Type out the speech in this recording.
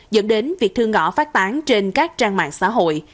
dẫn đến việc thư ngõ phát tán trên các trang mạng xã hội